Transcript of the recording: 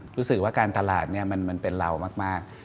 รู้สึกว่าการตลาดมันเป็นเรามาก